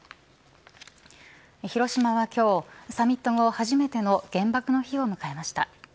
広島は今日、サミット後初めての原爆の日を迎えました。